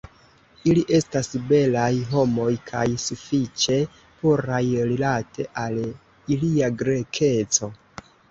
Ili estas belaj homoj, kaj sufiĉe puraj rilate al ilia Grekeco.